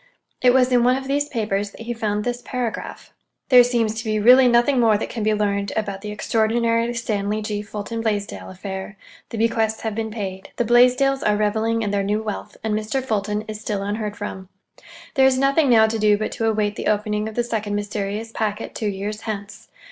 It was in one of these papers that he found this paragraph:— There seems to be really nothing more that can be learned about the extraordinary Stanley G. Fulton Blaisdell affair. The bequests have been paid, the Blaisdells are reveling in their new wealth, and Mr. Fulton is still unheard from. There is nothing now to do but to await the opening of the second mysterious packet two years hence.